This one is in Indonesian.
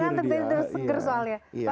malah ngantuk tidur seger soalnya